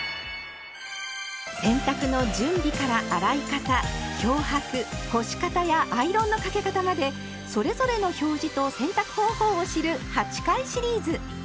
洗濯の準備から洗い方漂白干し方やアイロンのかけ方までそれぞれの表示と洗濯方法を知る８回シリーズ。